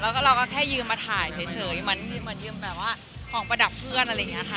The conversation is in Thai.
แล้วก็เราก็แค่ยืมมาถ่ายเฉยเหมือนยืมแบบว่าของประดับเพื่อนอะไรอย่างนี้ค่ะ